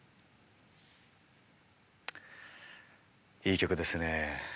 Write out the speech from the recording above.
いい曲ですよね。